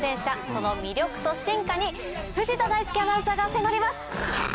その魅力と進化に藤田大介アナウンサーが迫りますか。